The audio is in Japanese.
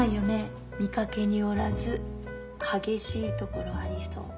見掛けによらず激しいところありそう。